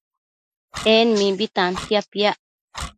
En mimbi tantia piac